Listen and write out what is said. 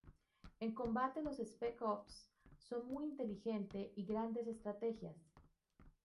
En combate los Spec Ops son muy inteligente y grandes estrategias.